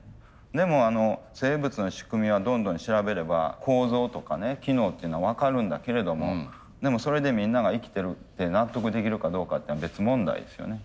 でも生物の仕組みはどんどん調べれば構造とかね機能っていうのは分かるんだけれどもでもそれでみんなが生きてるって納得できるかどうかっていうのは別問題ですよね。